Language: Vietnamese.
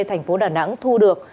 thành phố đà nẵng thu được